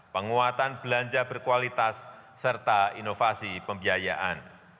penguatan belanja berkualitas serta inovasi pembiayaan